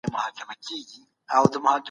ولي ځيني هیوادونه ډیپلوماټ نه مني؟